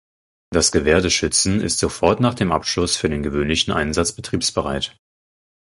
Das Gewehr des Schützen ist sofort nach dem Abschuss für den gewöhnlichen Einsatz betriebsbereit.